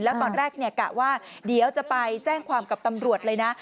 แล้วตอนแรกกะว่าเดี๋ยวจะไปแจ้งความกับตำรวจเลยนะ